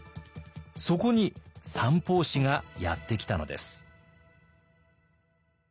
そこに三法師がやってきたのです。